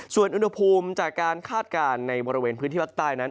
ส่วนอุณหภูมิจากการคาดการณ์ในบริเวณพื้นที่ภาคใต้นั้น